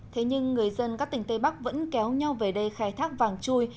thế nhưng người dân các tỉnh tây bắc vẫn kéo nhau về đây khai thác vàng chui